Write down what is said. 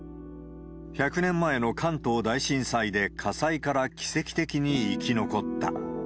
１００年前の関東大震災で火災から奇跡的に生き残った。